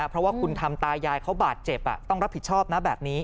เพราะว่าคุณทำตายายเขาบาดเจ็บต้องรับผิดชอบนะแบบนี้